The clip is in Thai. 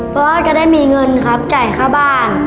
เพราะว่าจะได้มีเงินครับจ่ายค่าบ้าน